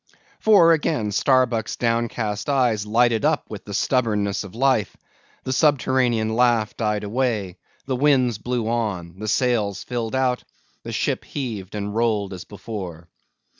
For again Starbuck's downcast eyes lighted up with the stubbornness of life; the subterranean laugh died away; the winds blew on; the sails filled out; the ship heaved and rolled as before.